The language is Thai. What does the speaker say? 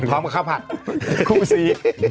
พร้อมกับข้าวผัดคู่ซี